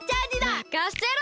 まかせろ！